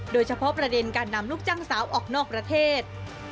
โดยเฉพาะประเด็นการนำลูกจ้างสาวออกนอกประเทศ